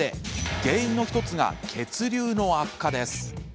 原因の１つが血流の悪化です。